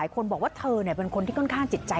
คุณผู้ชมคุณผู้ชมคุณผู้ชม